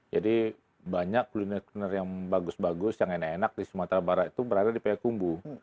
jadi banyak kuliner kuliner yang bagus bagus yang enak enak di sumatera barat itu berada di payakumbuh